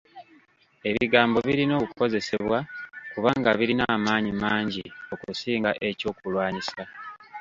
Ebigambo birina okukozesebwa kubanga birina amaanyi mangi okusinga eky'okulwanyisa.